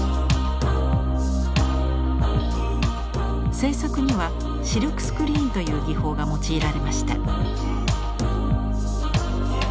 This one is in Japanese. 制作にはシルクスクリーンという技法が用いられました。